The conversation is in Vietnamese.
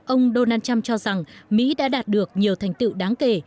ông donald trump cho rằng mỹ đã đạt được nhiều thành tựu đáng kể